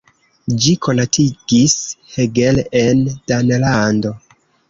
Ĝi konatigis Hegel en Danlando.